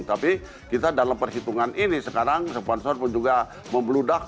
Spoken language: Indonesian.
tapi kita dalam perhitungan ini sekarang sponsor pun juga membludak